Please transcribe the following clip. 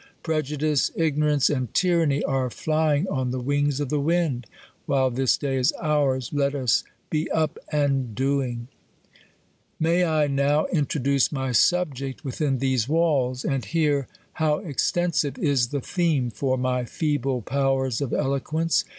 Prejudice, ignorance, and tyranny, arc flying on the wings of the wind. While this day is ours, let us be up and doing. May ^2Q6 THE COLUMBIAN ORATOR. May I now introduce my subject within these walls ? And hei^e, how extensive is the theme for my feeble powers of Eloquence